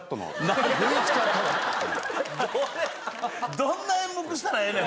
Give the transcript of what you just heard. どんな演目したらええねん？